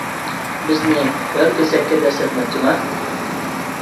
بىزنى ھۆل كېسەككە دەسسەتمەكچىما؟